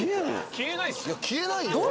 消えないっすよ。